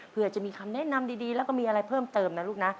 เพื่อจะมีคำแนะนำดีแล้วก็มีอะไรเพิ่มเติมนะลูกนะ